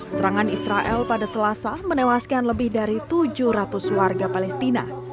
serangan israel pada selasa menewaskan lebih dari tujuh ratus warga palestina